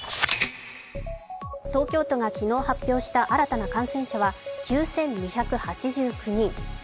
東京都が昨日発表した新たな感染者は９２８９人。